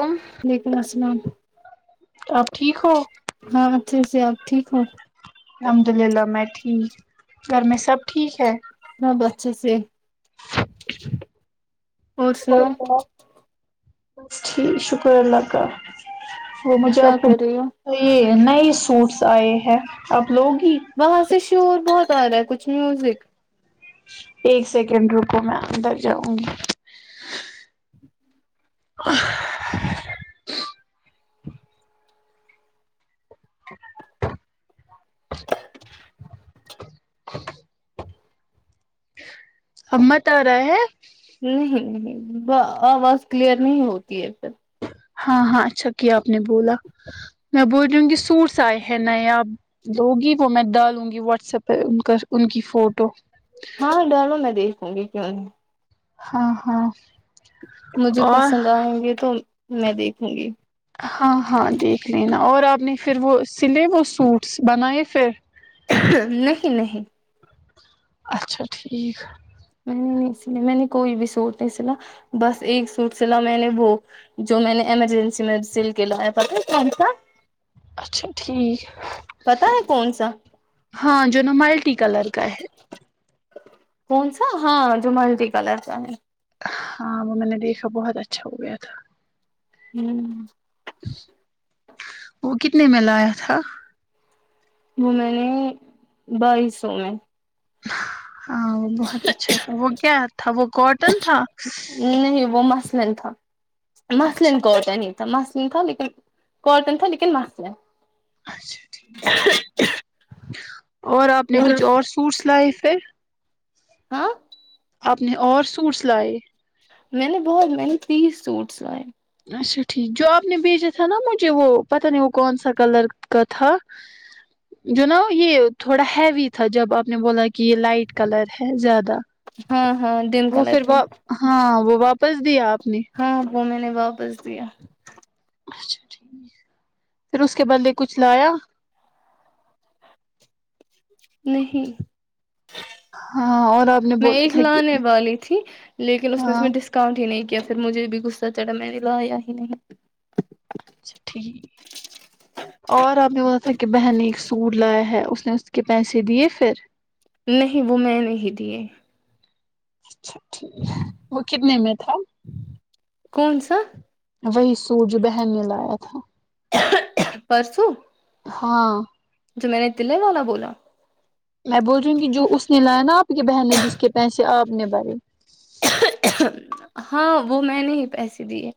تم وعلیکم السلام آپ ٹھیک ہو ہاں اھ [unintelligible] سے آپ ٹھیک ہووں الحمد للہ میں ٹھیک گھر میں سب ٹھیک ہے ہاں بس اچھا سے اور سنا شکر اللہ کا وہ مجھے کیا آپ کو کر رہی ہو چاہیے نئے سوٹس آئے ہیں اب وہاں سے شور بت آ رہا ہے کچھ میوزک ایک سیکنڈ رکو میں اندر جاؤں گی [inaudible] [inaudible] ا [inaudible] [unintelligible] ہ ہ [inaudible] آواز کلیئر نہیں ہوتی ہے ا ت ہاں ہاں اچھا کیا آپ نے بولا میں بول رہیوں کہ سوٹس آئے ہیں نئے آپ دگی وہ میں ڈالوں گی واٹس ایپ پہ ان کا ان کی فوٹو ہاں ڈالو میں دیکھوں گی کیا ہاں ہاں مجھے اور پسند آئیں گے تو میں دیکھوں گی ہاں ہاں دیکھ لینا اور آپ نے پھر وہ سلے وہ سوٹس بنائے چھ [unintelligible] نہیں نہیں اچھا ٹھیک میں نے نہیں سلی میں نے کوئی بھی سوٹ نہیں سلا بس ایک سوٹ سلا میں نے وہ جو میں نے ایمرجنسی میں سل کے لایا پتا کون سا اچھ ٹھیک پتا ہے کون سا ہاں جو نا ملٹی کلر کا ہے کون سا ہاں جو ملٹی کلر کا ہے ہاں وہ میں نے دیکھا بہت اچھا ہو گیا تھا ہوں وہ کتنے میں لایا تھا وہ میں نے بائی سو میں ہاں وہ بہت اچھا تھا وہ کیا تھا وہ کاٹن تھا سن تھا مسلین اچھا کوٹ نہیں تو مس تھا لیکن کٹن تھا لیکن مس ہے اچھا ٹھیک اور آپ نے کچھ اور سوٹس لائے پھر ہاں اپنے اور سوٹ س لائے میں نے بہت میں نے تیس سوٹ سوائے اچھا ٹھیک جو آپ نے بھیجا تھا نا مجھے وہ پتہ نہیں وہ کون سا کلر کا تھا جو نا یہ تھوڑا ہیوی تھا جب آپ نے بولا کہ یہ لائٹ کلر ہے زیادہ ہاں ہاں ڈم وہ کلر پھر تھا وہ ہاں وہ واپس دیا آپ نے ہاں ب میں نے با دس دیا اچھا پھر اس کے بدلے کچھ لایا نہیں ہاں اور آپ نے میں بولا ایک تھا کہ لانے والی تھی لیکن اس نے اس ہاں میں ڈسکاؤنٹ ہی نہیں کیا کیا پھر مجھے بھی غصہ چڑھا میں نے لایا ہی نہیں اچھا ٹھیک اور آپ نے پتا تھا کہ بہن نے ایک سوٹ لایا ہے اس نے اس کے پیسے دیے پھر نہیں وہ میں نہیں دیے ہاں اچھا ٹھیک وہ کتنے میں تھا کون سا وہی سورج بہن نے لایا تھا پرسوں ہاں جو میں نے تے والا بولا میں بول رہی ہوں کہ جو اس نے لایا نا آپ کی بہن نے جس کے پیسے آپ نے بری ہاں وہ میں نے ہی پیسے دیے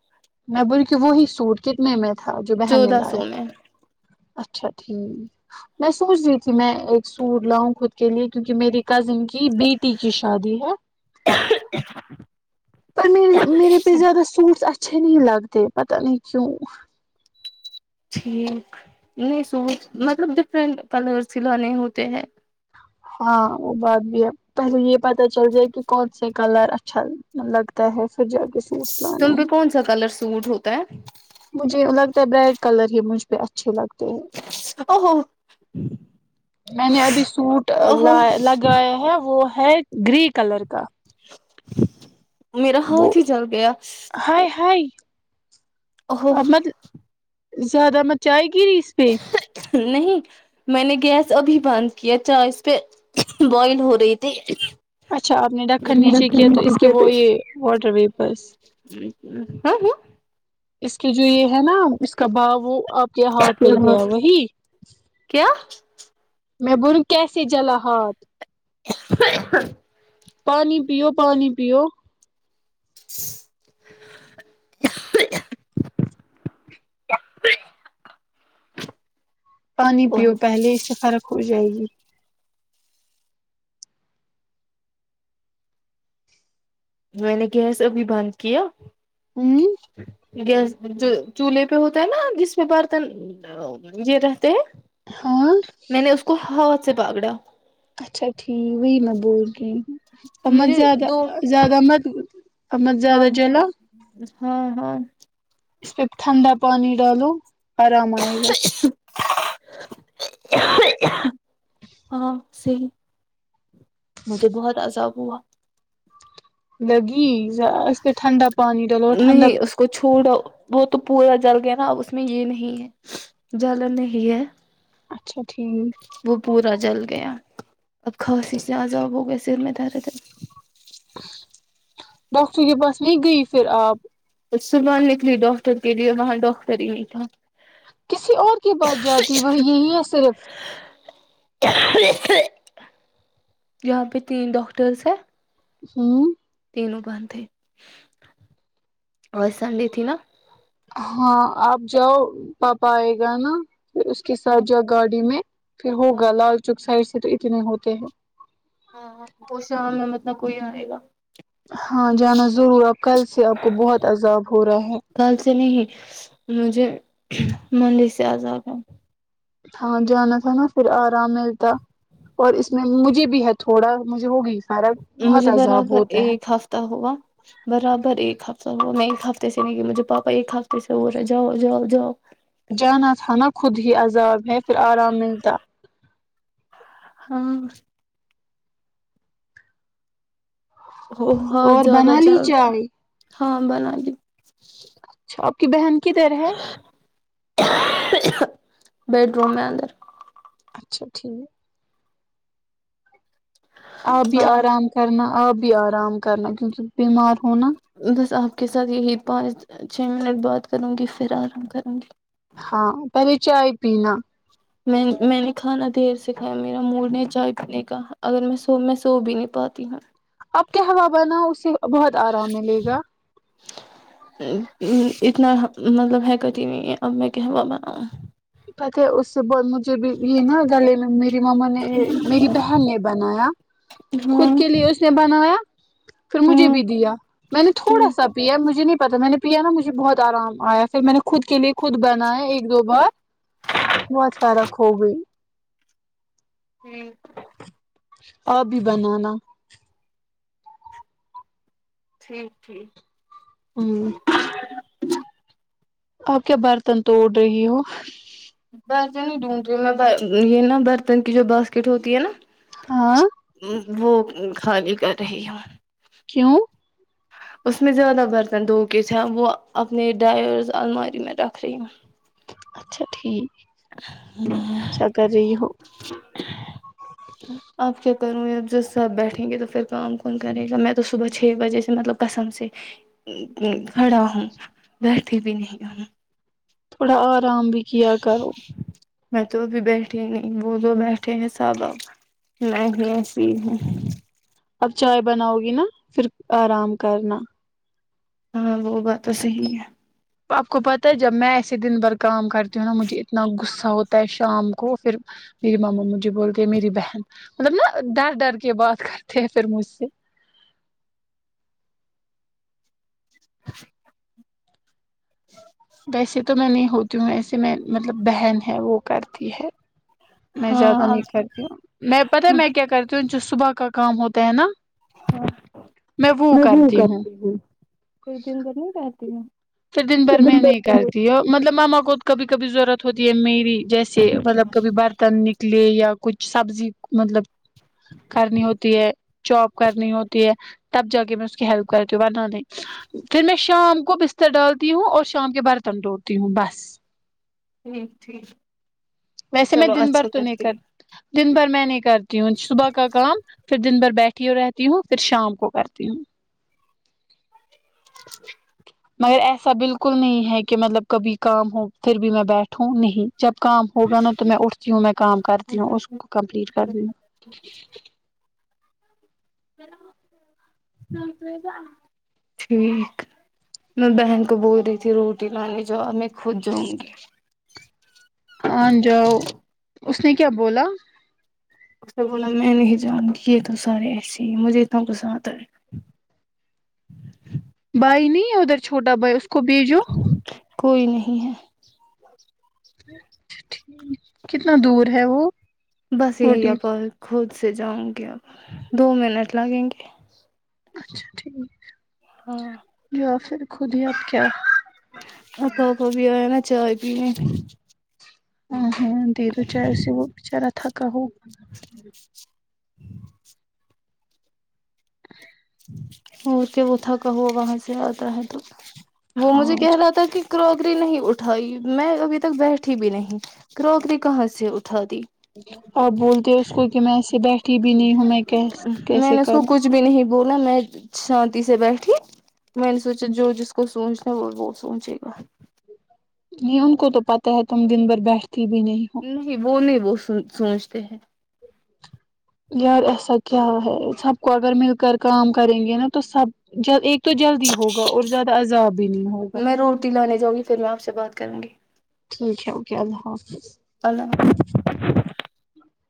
میں بول کے وہی سوٹ کتنے میں تھا جو بہن نے چودودہ سو لایا میں اچھا ٹھیک میں سوچ رہی تھی میں ایک سوٹ لاؤں خود کے لیے کیونکہ میری کزن کی بیٹی کی شادی ہے السلام علیکم محترم بھائی جان آپ کو بھی پر مے میرے پہ زیادہ سوٹس اچھا اچھے نہیں لگتے پت نہیں کیوں ٹھیک نہیں سوٹ مطلب ڈفرنٹ کلر سلانے ہوتے ہیں ہاں وہ بات بھی ہے پہلے یہ پتا چل جائے کہ کون سے کلر اچھا لگتا ہے پھر جا کے سوٹس لانے تم پہ ہیں کون سا کلر سوٹ ہوتا ہے ا بائڈ کلر ہی مجھہ اچھی لگتا او ہوو ل لگاائے ہیں وہ ہے گری کلر کا [unintelligible] میرا وہ ہاتھ ہی جل گیا ہائے ہائے اب مت [unintelligible] زیادہ مچائے گی ری اس پہ نہیں میں نے گیس ابھی بند کیا چاہ اس پہ بوائل ہو رہی تھی اچھا آپ نے ڈکن نیچے کیا تو اس کے وہ یہ واٹر ویپ [unintelligible] [unintelligible] [unintelligible] کہ جو یہ ہے نا اس کا بھاؤ وہ آپ کے ہاتھ پ ہاں گیا وہی ج میں بونوں کیسے جلا ہات پانی پیو پانی پیو پانی پیو پہلے اس سے فرق ہو جائے گی جی میں نے گیس ابھی بند کیا ہوں گیس جو چولہے پہ ہوتا ہے نا جس میں برتن یہ رہتے ہیں ہاں میں نے اس کو ہ سے پاگڑا اچھا ٹھیک وہ میں بول گ تو مت مجھے زیادہ دو زیادہ ا مت احمد ہاں زیادہ جلا ہاں ہاں اس پہ ٹھنڈا پانی ڈالو آرام آئے گا ہاں صی مجھے بہت عذاب ہوا لگی ی اس پ ھنڈا پانی رلو ٹنڈہ نہیں اس کو چھوڑو وہ تو پورا جل گیا نا اب اس میں یہ نہیں ہے جل نہیں ہے اچھا ٹھیک وہ پورا جل گیا اب خاص سے عذاب ہو گیا سر میں تارے تھ ڈاکٹر کے پاس میں گئی پھر آپ صبح نکلی ڈاکٹر کے لیے وہاں ڈاکٹر ہی نہیں تھا کسی اور کی بات جاتی وہ یہی ہے صرف یہاں پہ تین ڈاکٹرس ہیں ہوں تینوں بند ہے اور سنڈے تھی نا ہاں آپ جاؤ پاپا آئے گا نا پھر اس کے ہاں ساتھ جا گاڑی میں پھر ہاں ہوگا لال چوک سائڈ سے تو اتنے ہوتے ہیں ہاں وہ شام میں مطلب کوئی آئے گا ہاں جانا ضرور کل سے آپ کو بہت عذاب ہو رہا ہے کل سے نہیں مجھے مندی سے آزاد ہے ہاں جانا تھا نا پھر آرام ملتا اور اس میں مجھے بھی ہے تھوڑا مجھے ہوگئی مجھے برابر ایک ہفتہ ہوا برابر ایک ہفتہ تو میں ایک ہفتے سے نہیںک مجھے پاپا ایک ہفتے سے ہو رہے جاؤ جاؤ جاؤ جانا تھانا خود ہی عذاب ہے پھر آرام ملتا ہاں ہو ہاں اور زیادہ بنا چائی لی ہو گیا چائے ہاں بنا لی اچھا آپ کی بہن کدھر ہے بیڈروم میں اندر اچھا ٹھیک ہے ابھی ہاں آرام کرنا آپ بھی آرام کرنا کیونکہ بیمار ہونا بس آپ کے ساتھ یہی پانچ چھ منٹ بات کروں گی پھر آرام کروں گی ہاں پہلے چائے پینا میں میں نے کھانا دیر سے کھیا میرا مڈ نہیں چائے پینے کا اگر میں سو میں سو بھی نہیں پاتی ہوں آپ کیا ہوا بناا اسے بہت آرام ملے گا اتنا مطلب حایکت ہی نہیں ہے اب میں ک ہووا بناؤں تھے اس سے ب مجھے ج بھی یہ نا گلے میں میری مما نے میری بہن نے بنایا خود ہاں کے لیے اس نے بنایا پھر مجھے ہاں بھی دیا میں نے تھوڑا ٹھیک سا پیا مجھے نہیں پتا تھا میں نے پیا نا مجھے بہت آرام آیا پھر میں نے خود کے لیے خود بنائے ایک دو بار بہت فرق ہو گئی ہوں ابھی بنانا ٹھیک ٹھیک ہوں آپ کیا برتن توڑ رہی ہو بس نہیں ڈھونڈ رہی میں یہ نا برتن کی جو باسکٹ ہوتی ہے نا ہاں وہ خالی کر رہی ہوں کیوں اس میں زیادہ برتن دھو کے تھ وہ اپنے ڈائرز الماری میں رکھ رہی ہوں اچھا ٹھیک اچھا کر رہی ہو ہ آپ کے کروں ب جو سب بیٹھیں گے تو پھر کام کون کرے گا میں تو صبح چھ بجے سے مطلب کسم سے کھڑا ہوں بیٹھی بھی نہیں ہوں تھوڑا اور آرام بھی کیا کرو میں تو ابھی بیٹھھی نہیں وہ تو بیٹھے ہیں صاحبب میں ہی ایسی ہی ہوں اب چائے بناؤ گی نا پھر آرام کرنا ہاں وہ بات تو صحی ہے آپ کو پتاہ ہے جب میں ایسے دن بھر کام کر نا مجھے اتناغصہ اا ہوتا ہے شام کو پھر میری ماما م مو جی بولتے میری بہن مطلب نا ڈر ڈر کے بات کرتے ہیں پھر مجھ سے [unintelligible] بسی تو میں نے ہوتی ہوں ایسے میں مطلب بہن ہے وہ کرتی ہے میں زیادہ ہاں نہیں کرتی ہوں میں پتاہ میں کیا کرتی ہوں صبح کا کام ہوتا ہے نا میں وہ کرتی ہوں ایک دن [inaudible] [inaudible] پھر دن بھر میں نہیں کرتی مطلب ماما کو خود کبھی کبھی ضرورت ہوتی ہے میری جیسے مطلب کبھی برتن نکلے یا کچھ سبزی مطلب کرنی ہوتی ہے چاپ کرنی ہوتی ہے تب جا کے میں اس کی ہیلپ کرتی ہوں بنانے پھر میں شام کو بست ڈالتی ہوں اور شام کے برتن ٹوڑتی ہوں بس ٹھیک ٹھیک ویسے میں دن بھر تو نہیں کر دن بھر میں نہیں کرتی ہوں صبح کا کام پھر دن بھر بیٹھی ہو رہتی ہوں پھر شام کو کرتی ہوں [unintelligible] مگر ایسا بالکل نہیں ہے کہ مطلب کبھی کام ہو پھر بھی میں بیٹھوں نہیں جب کام ہوگا نا تو میں اٹھتی ہوں میں کام کرتی ہوں اس کو کمپلیٹ کرتی ہوں ٹھیک میں بہن کو بول رہی تھی روٹی لانے جو میں خود جاؤں گی ہاں جاؤ اس نے کیا بولا اس نے بولا میں نے ہی جان کیے تو سارے ایسے ہی مجھے اتنا کچستا آ ہے بھائی نہیں ادھر چھوٹا بھائی کب جو کوئی نہیں ہے کتنا دور ہے وہ بس یہی روٹی آپ خود سے جاؤں گی ا دو منٹ لگیں گے اچھا ٹھیک ہاں یا پھر خود ہی آپ کیا اپپ بھی ہو نا چائے پ ہاں دے دو چاہے اسے وہ بچارا تھکہ ج [inaudible] اور کے وہ تھا کہو وہاں سے آتا ہے تو وہ مجھے ہاں کہہ رہا تھا کہ کروکری نہیں اٹھائی میں ابھی تک بیٹھی بھی نہیں کراکری کہاں سے اٹھا دی آپ بولتے ہو اس کو کہ میں ایے بیٹھ کی بھی نہیں ہوں میں کیسے کروں بونا میں شانتی سے بیٹھی میں نے سوچا جو جس کو سوچ وہ وہ سوچے گا نہیں ان کو تو پتہ ہے تم دن بھر بیٹھ نہیں وہ نہیں وہ س سوچتے ہیں یار ایسا کیا ہے سب کو اگر مل کر کام کریں گے نا تو سب جب ایک تو جلدی ہوگا اور زیادہ عذاب بھی نہیں ہوگا میں روٹی لانے جاؤں گی پھر میں آپ سے بات کروں گی ٹھیک ہے اوکے کیا اللہا اللہ حافظ